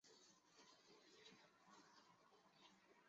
斯匹兹卑尔根岛。